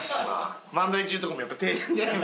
漫才中とかもやっぱ手デニム。